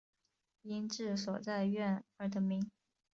因治所在宛而得名。